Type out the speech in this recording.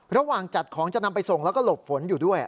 จัดของจะนำไปส่งแล้วก็หลบฝนอยู่ด้วย